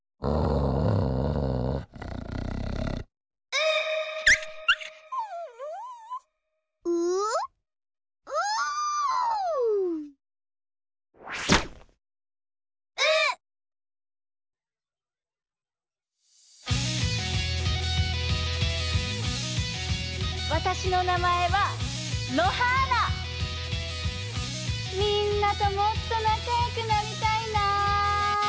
みんなともっとなかよくなりたいな。